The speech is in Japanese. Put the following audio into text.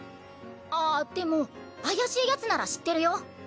あっでも怪しいヤツなら知ってるよ。